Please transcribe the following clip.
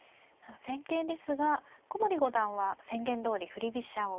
戦型ですが古森五段は宣言どおり振り飛車を。